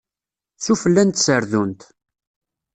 Sufella n tserdunt.